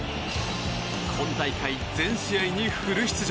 今大会、全試合にフル出場。